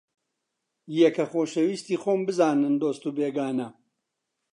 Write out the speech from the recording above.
یەکە خۆشەویستی خۆم بزانن دۆست و بێگانە